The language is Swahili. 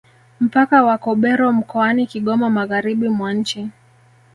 Mpaka wa Kobero mkoani Kigoma Magharibi mwa nchi